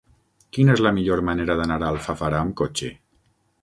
Quina és la millor manera d'anar a Alfafara amb cotxe?